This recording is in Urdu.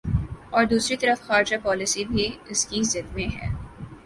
ا ور دوسری طرف خارجہ پالیسی بھی اس کی زد میں ہے۔